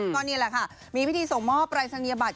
ก็นี่แหละค่ะมีพิธีส่งมอบปรายศนียบัตร